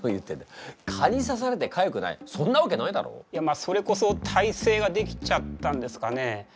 あそれこそ耐性ができちゃったんですかね。